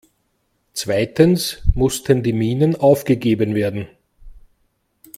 Zweitens mussten die Minen aufgegeben werden.